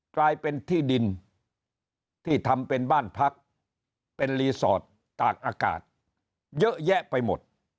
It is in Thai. กลายเป็นที่ดินที่ทำเป็นบ้านพักเป็นรีสอร์ทตากอากาศเยอะแยะไปหมด